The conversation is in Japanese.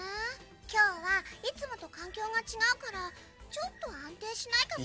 「今日はいつもと環境が違うからちょっと安定しないかも」